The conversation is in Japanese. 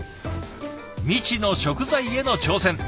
未知の食材への挑戦。